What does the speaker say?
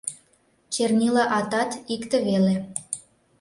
Чернила атат икте веле..